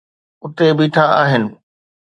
اٿي بيٺا آهن.